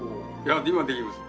今できます。